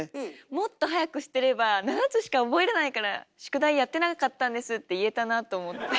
もっと早く知ってれば「７つしか覚えれないから宿題やってなかったんです」って言えたなと思って。